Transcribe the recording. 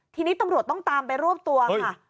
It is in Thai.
ทีนี้ตำรวจต้องตามไปรวบตัวค่ะ